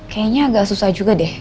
kayaknya agak susah juga deh